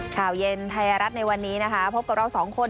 ข่าวเย็นไทยรัฐในวันนี้นะคะพบกับเราสองคน